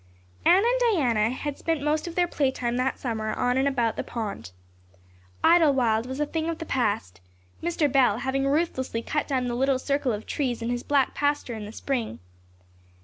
Anne and Diana had spent most of their playtime that summer on and about the pond. Idlewild was a thing of the past, Mr. Bell having ruthlessly cut down the little circle of trees in his back pasture in the spring.